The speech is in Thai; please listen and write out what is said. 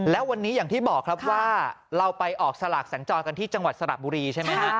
และวันนี้อย่างที่บอกครับว่าเราไปออกสลากสัญจรกันที่จังหวัดสระบุรีใช่ไหมฮะ